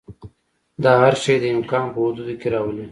دا هر شی د امکان په حدودو کې راولي.